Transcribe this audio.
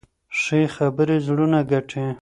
ښې خبرې زړونه ګټي.